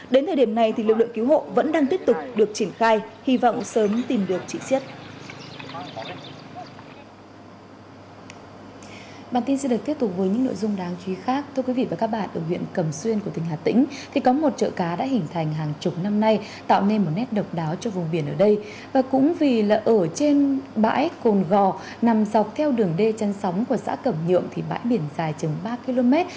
đến thời điểm này lực lượng cứu hộ vẫn đang tiếp tục được triển khai hy vọng sớm tìm được chị siết